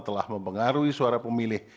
telah mempengaruhi suara pemilih